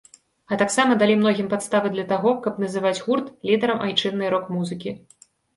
А таксама далі многім падставы для таго, каб называць гурт лідарам айчыннай рок-музыкі.